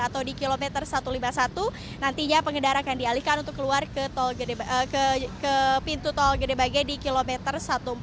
atau di kilometer satu ratus lima puluh satu nantinya pengendara akan dialihkan untuk keluar ke pintu tol gede bage di kilometer satu ratus empat puluh